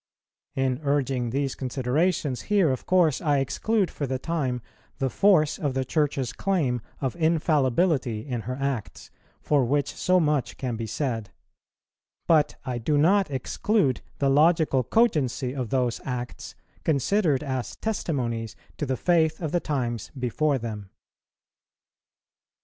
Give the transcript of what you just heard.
In urging these considerations here, of course I exclude for the time the force of the Church's claim of infallibility in her acts, for which so much can be said, but I do not exclude the logical cogency of those acts, considered as testimonies to the faith of the times before them.